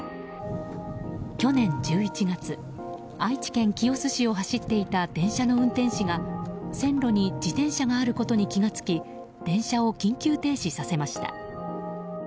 去年１１月愛知県清須市を走っていた電車の運転士が線路に自転車があることに気が付き電車を緊急停止させました。